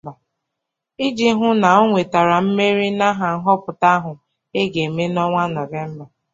iji hụ na o nwetara mmeri na nhọpụta ahụ a ga-eme n'ọnwa Nọvemba.